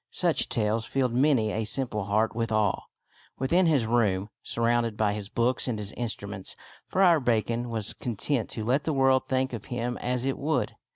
Such tales filled many a simple heart with awe. Within his room, surrounded by his books and his instruments, Friar Bacon was content to let the world think of him as it would.